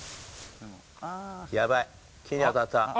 やばい。